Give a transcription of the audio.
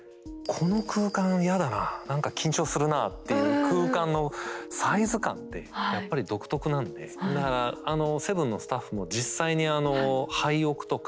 この空間嫌だな何か緊張するなあ」っていう空間のサイズ感ってやっぱり独特なんでだから「７」のスタッフも実際にあの廃屋とか。